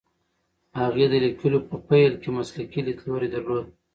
هغې د لیکلو په پیل کې مسلکي لیدلوری درلود.